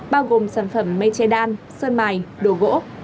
bao gồm sản phẩm mây che đan sơn mài đồ gỗ